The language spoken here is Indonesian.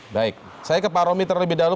baik saya ke pak romi terlebih dahulu